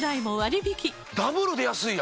ダブルで安いな！